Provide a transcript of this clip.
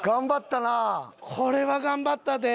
これは頑張ったで。